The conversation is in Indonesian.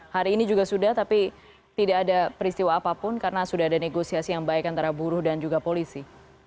hari ini juga sudah tapi tidak ada peristiwa apapun karena sudah ada negosiasi yang baik antara buruh dan juga polisi